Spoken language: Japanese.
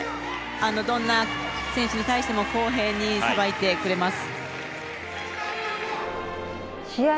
どんな選手に対しても公平に裁いてくれます。